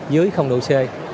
dưới không độ c